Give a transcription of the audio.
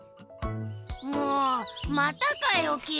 もうまたかよキイ！